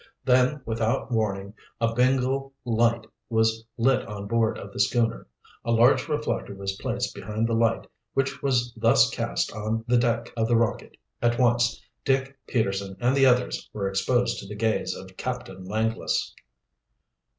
Then, without warning, a Bengal light was lit on board of the schooner. A large reflector was placed behind the light, which was thus cast on the deck of the Rocket. At once Dick, Peterson, and the others were exposed to the gaze of Captain Langless.